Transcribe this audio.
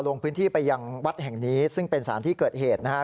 ลงพื้นที่ไปยังวัดแห่งนี้ซึ่งเป็นสารที่เกิดเหตุนะฮะ